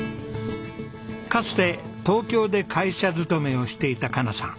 かつて東京で会社勤めをしていた佳奈さん。